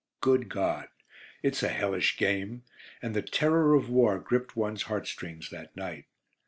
Good God! it's a hellish game; and the terror of war gripped one's heartstrings that night.